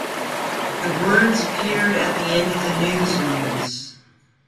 The words appeared at the end of the news release.